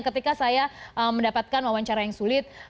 ketika saya mendapatkan wawancara yang sulit